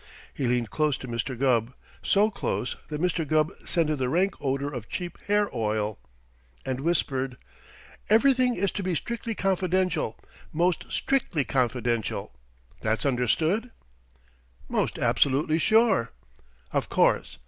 He leaned close to Mr. Gubb so close that Mr. Gubb scented the rank odor of cheap hair oil and whispered. "Everything is to be strictly confidential most strictly confidential. That's understood?" "Most absolutely sure." "Of course!